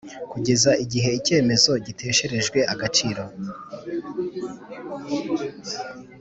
kugeza igihe icyemezo gitesherejwe agaciro.